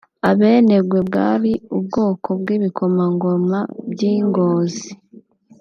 Abenengwe bwari ubwoko bw’ibikomangoma by’i Ngozi